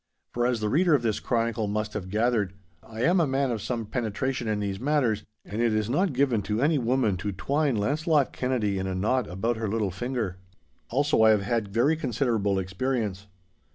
For as the reader of this chronicle must have gathered, I am a man of some penetration in these matters, and it is not given to any woman to twine Launcelot Kennedy in a knot about her little finger. Also I have had very considerable experience.